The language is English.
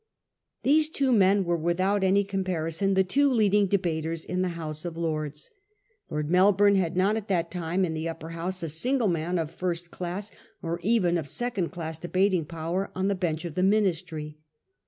These two men were without any comparison the two leading debaters in the House of Lords. Lord Melbourne had not at that time in the Upper House a single man of first class or even of second class debating power on the bench of the Ministry.